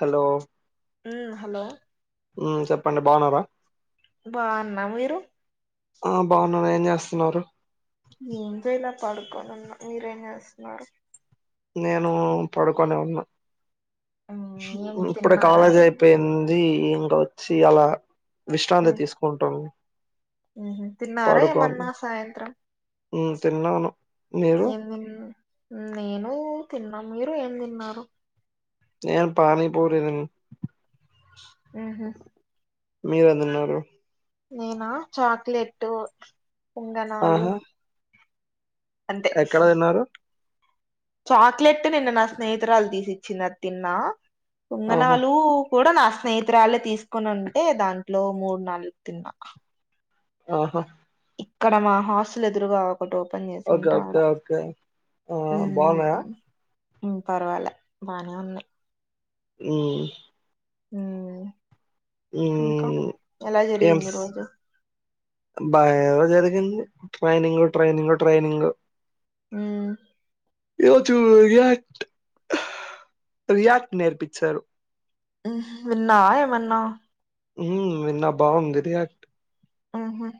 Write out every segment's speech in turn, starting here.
Hello hello ఉ చెప్పండి బాగున్నారా బా అన్న మీరు ఆ బాగున్నాం ఏం చేస్తున్నారు ఏం చేలా పడుకోని ఉన్న మీరేం చేస్తున్నారు నేను పడుకొని ఉన్నా మ్మ్ ఏం ఇప్పుడు తిన్నారా కాలేజీ అయిపోయింది అది ఇంకా వచ్చి అలా విశ్రాంతి మ్మ్ తీసుకుంటాం తిన్నారా ఏమన్నా సాయంత్రం ఊ తిన్నాను మీరు అవును నేను తిన్నా మీరు ఏం తిన్నారు నేన్ పానీపూరి తిన్నా ఆహ మీరేం తిన్నారు నేనా చాక్లెట్ పొంగనాలు ఆహా అంతే ఎక్కడ తిన్నారు చాక్లెట్ నిన్న నా స్నేహితురాలు తీసి ఇచ్చింది అది తిన్నా ఆహా పొంగనాలు కూడా నా స్నేహితురాలు తీసుకుని ఉంటే దాంట్లో మూడు నాలుగు తిన్నా ఆహా ఇక్కడ మా హాస్టల్ ఎదురుగా ఓపెన్ ఓకే చేసింటే ఆడ ఓకే ఓకే ఆ బాగున్నాయా పర్వాలే బానే ఉంది ఊ ఉ ఊ జరిగింది ఎమ్స్ రోజు బేగా జరిగింది ట్రైనింగ్ ట్రైనింగ్ ట్రైనింగ్ ఊమ్ ఈ రోజు రియాక్ట్ రియాక్ట్ నేర్పించారు విన్నావ ఏమన్నా ఉ నిన్న బాగుంది ఆహా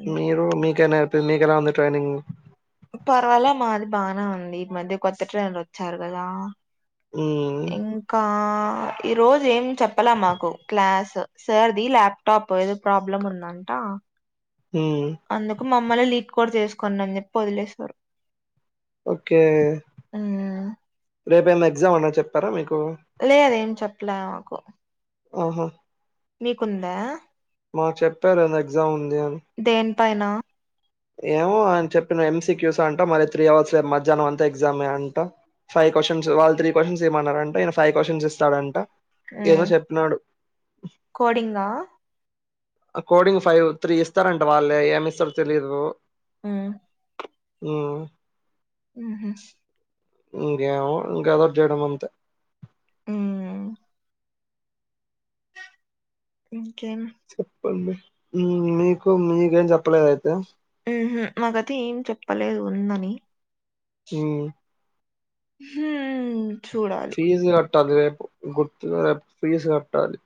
ఉమ్. మీరు మీకైనా మీకెలా ఉంది ట్రైనింగ్ పర్వాల మాది బానే ఉంది ఈ మధ్య కొత్త ట్రైన్లు వచ్చారు కదా హ్మ్. ఇం క ఈ రోజు ఏం చెప్పల మాకు క్లాస్ సార్ది ల్యాప్టాప్ ఏదో ప్రాబ్లమ్ ఉంద అంటా హ అందుకు మమ్మల్ లీడ్ కూడ్ చేసుకుని అని చెప్పి వదిలేశారు ఓకే ఉమ్ [inaudible] రేపు ఏనా ఎగ్జామ్ ఉన్న చెప్పారా మీకు లేదేం చెప్పలే మాకు ఆహో మీకుందా మాకు చెప్పారు ఏదో ఎగ్జామ్ ఉంది అని దేనిపైన ఏమో ఆయన చెప్పిన ఎంసీ క్యూస్ అంట మరి త్రీ అవర్స్ లే మధ్యానం అంతా ఎగ్జామే అంట ఫైవ్ క్వశ్చన్స్ వాళ్ళు త్రీ క్వశ్చన్స్ ఈమన్నారంట ఈయన ఫైవ్ క్వశ్చన్స్ ఇస్తాడంట ఉ ఏదో చెప్పినాడు. [inaudible] కోడింగ కోడింగ్ ఫైవ్ త్రీ ఇస్తారంట వాళ్ళే ఏమి ఇస్తారు తెలీదు ఆ ఊ ఉహు ఇంకేమో ఇంకదోటి చేయడం అంతా ఉ ఇంకేం చెప్పండి మీకు మీకేం చెప్పలేద అయితే ఉహు మాకైతే ఏం చెప్పలేదు ఉందని ఉమ్ ఉమ్ చూడాలి ఫీజు కట్టాలి రేపు గుర్తు రేపు ఫీజు కట్టాలి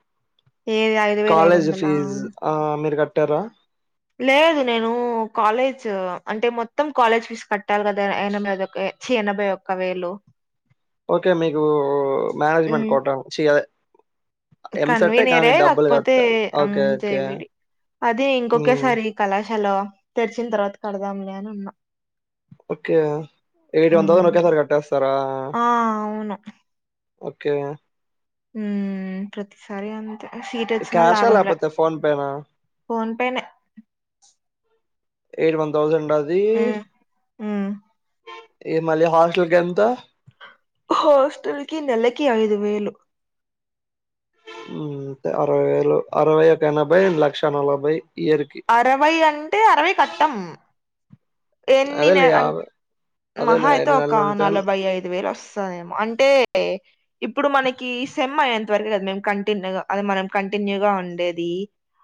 ఏది ఐదు వేల ఐదు కాలేజ్ వందల ఫీజు ఆ మీరు కట్టారా లేదు నేను కాలేజ్ అంటే మొత్తం కాలేజ్ ఫీస్ కట్టాలి కదా అయినా మీదకే ఎనభై ఒక్క వేలు ఓకే మీకు మేనేజ్మెంట్ కొట చే కన్వీనియర్ కాకపోతే ఓకే ఓకే చెవిడి అది ఉమ్, ఇంకొకేసారి కళాశాల తెరిచిన తర్వాత కడదాం మని ఉన్నాం ఓకే ఎయిట్ వంద హ్మ్. ఒకేసారి కట్టేస్తారా ఆ! అవును. ఓకే ఉ ప్రతిసారి సీటోచ్చినా క్యాషా లాభంలే లేకపోతే ఫోన్ పేనా ఫోన్ పేనే ఎయిట్ వన్ థౌసండ్ అది హ్మ్. హ్మ్. [inaudible] ఈ మళ్ళీ హాస్టల్ కి ఎంత హాస్టల్ కి నెలకి ఐదు వేలు హు అరవై వేలు అరవై ఒక ఎనభై లక్ష నలభై ఇయర్ కి అరవై అంటే అరవై కట్టం ఎన్నినే అదేలే అం యాభై మహా అదేలే అయితే ఒక నెలలుంటాను. నలభై ఐదు వేలు వస్ తాదేమో అంటే ఇప్పుడు మనకి సెమ్ అయ్యేంత వరకు కదు మేము కంటిన్యూ అది మనం కంటిన్యూగా ఉండేది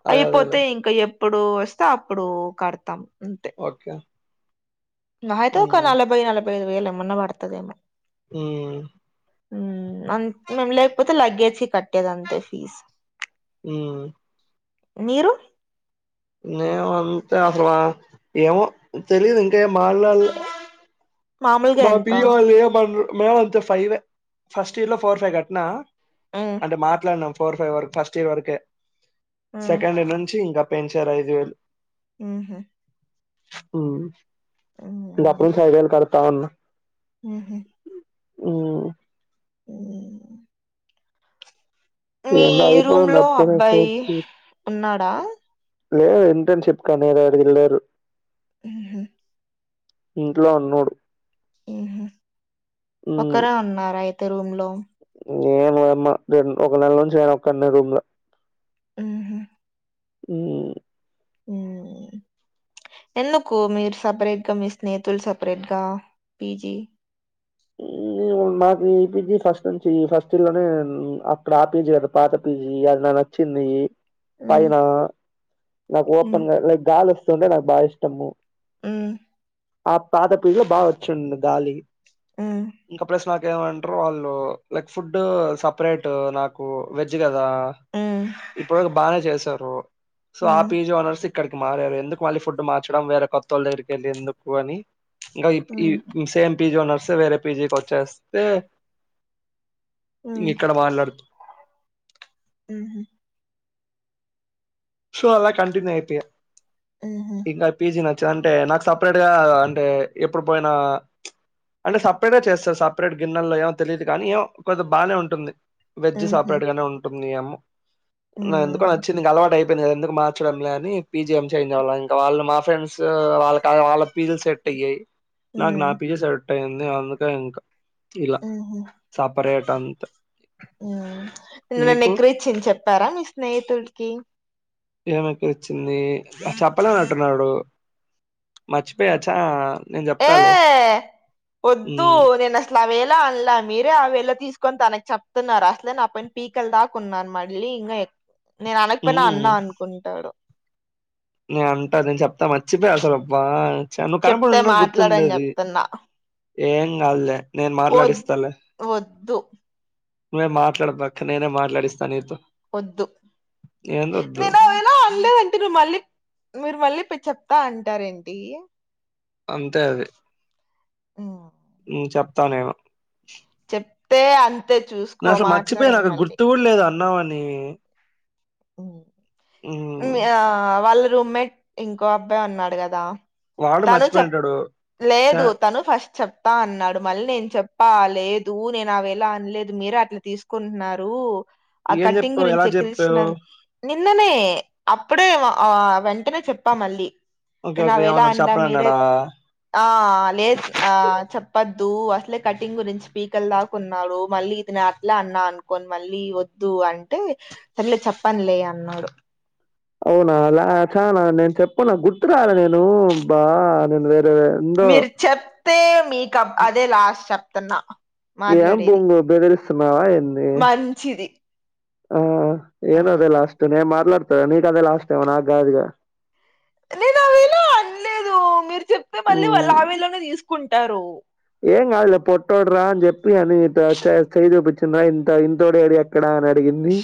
అదే అదేలే. అయిపోతే ఇంకా ఎప్పుడు వస్తే అప్పుడు కడతాం అంతే ఓకే మహా అయితే ఒక హ్మ్. నలభై నలభై ఐదు వేలు ఏమన్నా పడుతదేమో ఉమ్ అం మేము లేకపోతే లగేజ్ కట్టేది అంతే ఫీజ్ హుమ్ మీరు నేము అంతే అసలు ఏమో తెలీదు ఇంకా ఏ మాట్లాడలే మామూలుగా మా ఎంత పీజీ వాళ్ళు ఏమండ్రు మేము అంతే ఫైవే ఫస్ట్ ఇయర్ లో ఫోర్ ఫైవ్ కట్టినా ఉమ్ అంటే మాట్లాడినాం ఫోర్ ఫైవ్ వరకు ఫస్ట్ ఇయర్ వరకే ఉమ్ సెకండ్ నుంచి ఇంకా పెంచారు ఐదు వేలు మ్మ్ హ్ హ్మ్ ఇంక అప్పుడు నుంచి ఐదు వేలు కడతా ఉన్నా మ్మ్ హు మ్మ్ మీ ఏందో రూమ్ అయిపోయింది లో అప్పుడే అబ్బాయి ఫోర్త్ ఇయర్ ఉన్నాడా లేదు ఇంటర్న్ షిప్ కని [unintelligible] వెళ్ళారు మ్మ్ హ్ ఇంట్లో ఉన్నాడు మ్మ్ హు ఒక్కరే ఉన్నారా అయితే రూమ్ లో ఏంలేదమ్మా రెండ్ ఒక నెల నుంచి నేను ఒక్కన్నే రూమ్ లో ఉహు హ్మ్ మ్మ్ ఎందుకు మీరు సపరేట్ గా మీ స్నేహితులు సపరేట్గా పీజీ మ్మ్ మాకు ఈ పీజి ఫస్ట్ నుంచి ఫస్ట్ ఇయర్ లోనే అక్కడ ఆ పీజి పాత పీజి అది నాకు నచ్చింది ఉమ్ పైన నాకు ఉమ్ ఓపెన్ గా లైక్ గాలి వస్తుంటే నాకు బాగా ఇష్టము హ్మ్ ఆ పాత పిజే బాగ వచ్చిందు గాలి ఉమ్ ఇంకా ప్లస్ మా ఏమంట్రు వాళ్ళు లైక్ ఫుడ్ సపరేట్ నా కు వెజ్ కదా ఇప్పుడు వరకు బానే చేసారు సో ఆ ఉమ్ పీజీ ఓనర్స్ ఇక్కడికి మారారు ఎందుకు మళ్ళీ ఫుడ్ మార్చడం వేరే కొత్తోళ్ళు దగ్గరికి వెళ్ళి ఎందుకు అని ఇంకా ఈ ఉమ్ సేమ్ పీజీ ఓనర్సే వేరే పీజీకి వచ్చేస్తే ఉమ్ ఇంక ఇక్కడ మాట్లాడుతు మ్మ్ హు సో అలా కంటిన్యూ అయిపోయా మ్మ్ హ్ ఇంకా పీజీ నచ్చదంటే నాకు సపరేట్ గా అంటే ఎప్పుడు పోయినా ప్చ్ అంటే సపరేట్ చేస్తారు సపరేట్ గిన్నెల్లో ఏమో తెలియదు కానీ ఏమో కొద్దిగ బానే ఉంటుంది వెజ్ ఉహు సపరేట్ గానే ఉంటుంది ఏమో నాకు ఎందుకో ఉమ్ నచ్చింది అలవాటై ఎందుకు మార్చడంలే అని పీజి ఏం చేంజ్ అవ్వలే, ఇంకా వాళ్ళు మా ఫ్రెండ్స్ వాళ్ళకయి వాళ్ళ పీజీలు సెట్ అయ్యి నాకు నా ఉమ్ పీజీ సెట్ అయింది అందుకే ఇంకా ఇలా ఉహు సపరేట్ అంతే మీకు చిన్ చెప్పారా మీ స్నేహితుడికి ఏం ఈక్క వచ్చింది చెప్పలేని అన్నటున్నాడు మర్చిపోయాచ్చ నేన్ ఏ చెప్తాలే హ్మ్ ఇట్లా వేలో అన్లా మీరే ఆ వేలో తీసుకొని తనకు చెప్తున్నారు అసలే నా పైన పీకలు దాక కున్నాను మళ్ళీ ఇంగ నేను అనకపోయినా హ్మ్ అన్నా అనుకుంటాడు నేను అంటా నేను చెప్తా మర్చిపోయాసలు అబ్బా నువ్వు చెప్తే కనపడిన్నా మాట్లాడని గుర్తుండేది చెప్తున్నా ఏం గాదు లే నేను వద్ మాట్లాడిస్తాలే వద్దు నువ్వేం మాట్లాడదు పక్క నేనే మాట్లాడిస్తా నీతో వద్దు ఏందొద్దు నేనవిలా అన్లేన్ మీరు మళ్ళీ మీరు మళ్ళీ పోయి చెప్తా అంటార్ ఏంటి అంతే అది ఆ హ్మ్ చెప్తా నేను చెప్తే అంతే నేను చూసుకో అసలు మర్చిపోయా మాట్లాడను నాకు మళ్ళీ గుర్తు కూడా లేదు అన్నావ్ అని హ్మ్ మ్య ఆ వాళ్ళ రూమ్మేట్ ఇంకో అబ్బాయి ఉన్నాడు కదా వాడు తను చెప్ మర్చిపోయింటాడు ఛ లేదు తను ఫస్ట్ చెప్ తా అన్నాడు మళ్ళీ నేను చెప్పా లేదు నేను ఆవేలో అనలేదు మీరే అట్లా తీసుకుంటున్నారు ఆ ఏం కట్టింగ్ చెప్పావు గురించి ఎలా చెప్పావు ఎక్కిరించినా నిన్ననే అప్పుడే ఆ వెంటనే చెప్పా మళ్ళీ ఓకే నేను ఓకే ఆవేలో ఏమన్నాడు అన్లా మీరే చెప్పనన్నాడా ఆ లేద్ ఆ చెప్పద్దు అసలే కటింగ్ గురించి పీకలు దాకున్నాడు మళ్ళీ ఇతను అట్లా అన్నా అను కొన్ మళ్ళీ వద్దు అంటే సర్లే చెప్పనులే అన్నాడు అవునాలా చానా నేను చెప్పనా గుర్తు రాలే నేను బా నేను వేరే ఎందో మీరు చెప్తే మీకుబ్ అదే లాస్ట్ చెప్తున్నా ఏం మాట్లాడేది బొంగు బెదిరిస్తున్నావా ఏంది మంచిది ఆ ఉమ్ ఏనదే లాష్ త్ నేను మాట్లాడతా నికు అదే లాస్ట్ ఏమో నా గాద్ ఇగ నేను ఆవేలో అనలేదు మీరు చెప్తే మళ్ళీ హ్మ్. వాళ్ళు ఆవేలోనే తీసుకుంటారు ఏం గాదులే పొట్టోడురా అని చెప్పి అని చెయ్యి ఇంతోడు ఏరియా ఎక్కడ అని అడిగింది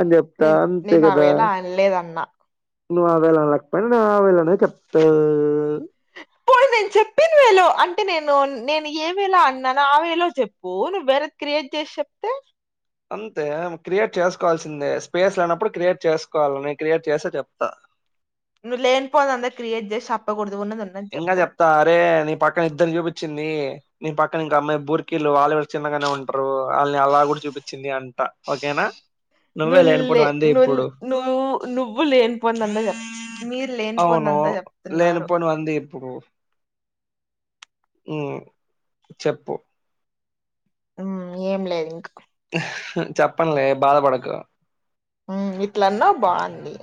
అని చెప్తా నేను అంతే నేను కదా అవేలా అనలేదన్నా నువ్వు ఆవేలో అనకపోయినా నేను ఆవేలోనే చెప్తా ప నేను చెప్పిన వేలో అంటే నేను నేను ఏ వేలో అన్నానో ఆ వేలో చెప్పు నువ్వు వేరే క్రియేట్ చేసి చెప్తే అంతే క్రియేట్ చేసుకోవాల్సిందే స్పేస్ లేనప్పుడు క్రియేట్ చేసుకోవాల క్రియేట్ చేసే చెప్తా నువ్వు లేనిపోంది అంతా క్రియేట్ చేసి చేప్పకూడదు ఉన్నది ఉన్ ఇంగ చెప్తా అరే నీ పక్కన ఇద్దరు చూపిచ్చింది నీ పక్కన ఇంక అమ్మాయి బుర్కీలు వాళ్ళు కూడా చిన్నగానే ఉంటరు వాళ్ళని అలా కూడా చూపించింది అంట ఓకేనా నువ్వే నులే లేనిపోనివంది ను ఇప్పుడు నువ్వు లేని పొంది అంతా చెప్ మీరు లేనిపోందంతా చెప్తున్నారు మనది ఎప్పుడు? మ్ చెప్పు మ్ ఏం లేదు ఇంకా చెపెన్లే బాధపడకు మ్ ఇట్లన్నా బాగుంది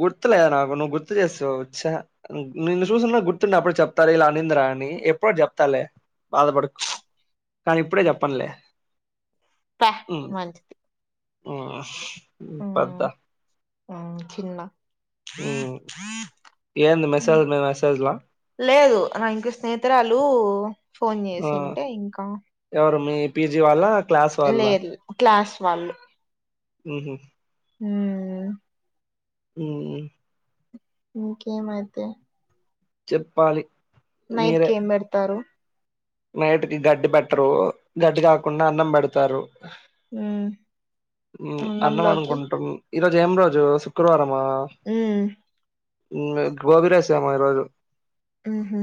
గుర్తులేద నాకు నువ్వు గుర్తు చేస్తావు చా నిన్నను చూసన్నా గుర్తుండి అప్పుడు చెప్తారు ఇలా అనిందిరా అని ఎప్పుడు చెప్తాలే బాధపడుకు నాది ఇప్పుడే చెపెన్లే ప్యా మంచిది మ్ పెద్ద మ్ చిన్నా మ్ ఎంది మెసజ్ మీద మెసేజ్ లేదు నా ఇంక స్నేహితురాలు ఫోన్ ఆ చేసింటే ఇంకా ఎవరు మీ పీజీ వాళ్ళ క్లాస్ వాళ్ళ లేదు క్లాస్ వాళ్లు మ్ హా మ్ ఉమ్ ఇంకేమైతే చెప్పాలి నైట్ మీరే కి ఏం పెడతారు నైట్ కి గడ్డి పెట్టరు గడ్డి కాకుండా అన్నం పెడతారు మ్మ్ మ్ అన్నం అన్నంలోకి అనుకుంటాం ఈ రోజు ఏం రోజు శుక్రవారమా మ్మ్ గోబి రైస్ ఏమో ఈ రోజు మ్ హా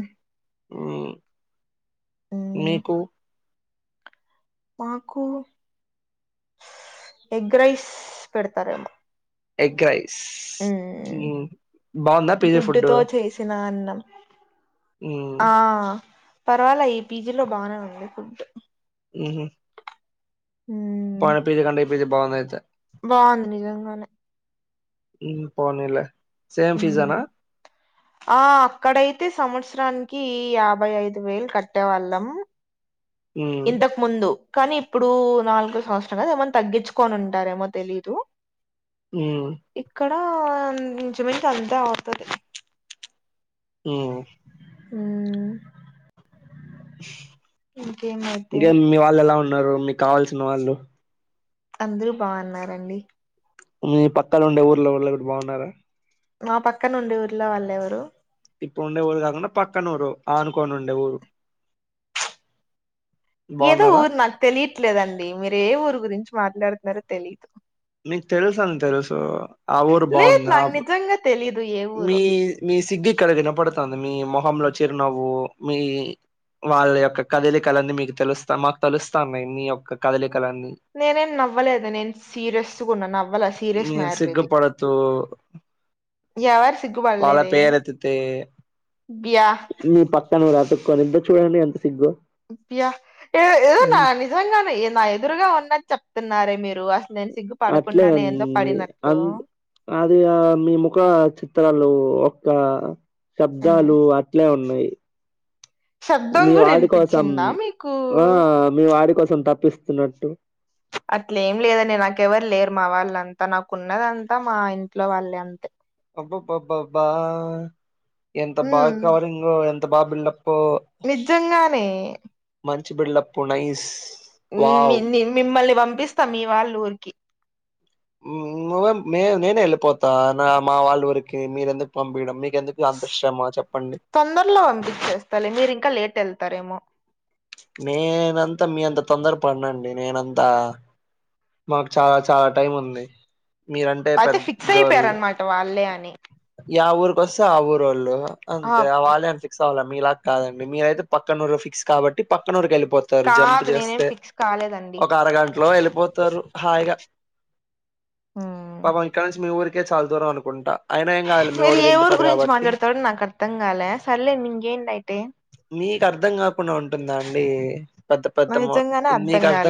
మ్ మ్మ్ నీకు మాకు ఎగ్ రైస్ పెడతారేమో ఎగ్ రైస్ మ్మ్ మ్ బాగుందా పేజే ఫుడ్డు గుడ్డుతో చేసిన అన్నం ఉమ్ ఆ పర్వాలే ఈ పీజీలో బానే ఉంది ఫుడ్ ఊహా మ్మ్ వాడ పిజి కన్నా ఈ పిజి బాగుంది ఆయితే బాగుంది నిజంగానే మ్ పోనీలే సేమ్ మ్మ్ ఫీజనా ఆ అక్కడైతే సంవత్సరానికి యాభై ఐదు వేలు కట్టేవాళ్ళం ఉమ్ ఇంతకు ముందు కానీ ఇప్పుడు నాలుగో సంవత్సరం క ఏమనా తగ్గించుకని ఉంటారేమో తెలీదు మ్ ఇక్కడ నిజమకి అంతే అవుతాది మ్ మ్ ఇంకేమైతే ఇంకే మీ వాళ్ళు ఎలా ఉన్నారు మీకు కావాల్సిన వాళ్ళు అందరు బాగున్నారండి మీ పక్క ఉండే ఊర్లో వాళ్ళు కూడా బాగున్నారా మా పక్క నుండి ఊరిలో వాళ్ళు ఎవరు ఇప్పుడు ఉండే ఊరు కాకుండా పక్కన ఊరు ఆనుకోని ఉండే ఊరు ఏదో బాగున్నారా ఊరు నాకు తెలియట్లేదండి మీరు ఏ ఊరు గురించి మాట్లాడుతున్నారో తెలిదు మీకు తెలుస అని తెలుసు ఆ ఊరు బాగుంది ఆ తెలియ ఎ మీ మీ సిగ్గిక్కడ వినపడతది మీ మొహంలో చిరునవ్వు మీ వాళ్ళ యొక్క కదలికలన్నీ మీకు తెలుస్తా మాకు తెలుస్తా ఉన్నాయి మీీ యొక్క కదలికలన్నీ నేనేం నవ్వలేదు నేను సీరియస్ కూడా ఉన్న నవ్వాల సీరియస్ మ్యాటర్ ఇది ఓ ఎవారు సిగుబడలేదే పేరెత్తితే బ్యా మీ పక్కనువతకోని ఇటు చూడండి ఎంత సిగ్గు బ్యా ఏ ఏద నా ని నిజంగానే నా ఎదురుగా ఉన్నది చెప్తున్నారే మీరు అసలు నేను సిగ్గు అట్లే పడకుండానే ఏందో అంది పడినట్లు అద్ అది ఆ మీ ముఖ చిత్రాలు ఒక్క ఉమ్. శబ్దాలు అట్లే ఉన్నాయి శబ్దం మీ కూడా వాని కోసం వినిపించిందా మీకు ఆ మీ వాడి కోసం తప్పిస్తున్నట్టు అట్లే ఏం లేదని నాకెవరు లేరు మా వాళ్ళంతా నాకున్నదంతా మా ఇంట్లో వాళ్ళే అంతే అబ్బబ్బబ్బాబ్బా ఎంత ఉమ్, బాగా కవరింగ ఎంత బాగా బిల్డపో నిజంగానే మంచిబిడ్లప్పు నైస్ మ్ మీ వావ్ నీ మిమ్మల్ని పంపిస్తా మీ వాళ్ళ ఊరికి నువ్వే మే నేనే వెళ్ళిపోతా నా మా వాళ్ళ ఊరికి మీరెందుకు పంపించడం మీకెందుకు అంతృశమా చెప్పండి తొందరలో పంపించేస్తాలే మీరు ఇంకా లేట్ వెళ్తారేమో నేనంతా మీ అంత తొందర పడనండి నేనంతా మాకు చాలా చాలా టైం ఉంది మీరంటే అయితే ఫిక్స్ పెద్దోళ్ళు అయిపోయారనమాట వాళ్ళే అని యా ఊర్కి కాస్తే ఆ ఊరోళ్ళు అంతే ఆ అబ్బా వాాల అన్పి స్ అవా మీ లా కాదండి మీరయితే పక్కనూరు ఫిక్స్ కాబట్టి పక్కనూరు ఎళ్ళిపోత్ ారు జంప్ కాదు నేనేం చేస్తే ఫిక్స్ కాలేదండి ఒక అరగంటలో ఎళ్ళిపోతారు హాయిగా ఉమ్. పాపం ఇక్కడ నుంచి మీ ఊరికే చాలు దూరం అనుకుంటా అయినా ఏం కాదులే మీ మీరు ఓడు ఏ ఊరు దింపుతాడు గురించి కాబట్టి మాట్లాడతాడో నాకు అర్థం కాలే సర్లేదు ఇంకేంటి అయితే మీకు అర్ధం కాకుండా ఉంటుందా అండి పెద్ద పెద్ద నాకు మా నిజంగానే మీకు కాలే అర్థం